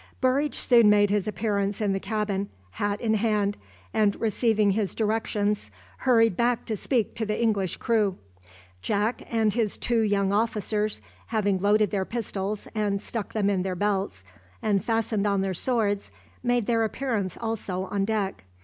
Burridge soon made his appearance in the cabin, hat in hand, and receiving his directions hurried back to speak to the English crew. Jack and his two young officers, having loaded their pistols and stuck them in their belts, and fastened on their swords, made their appearance also on deck.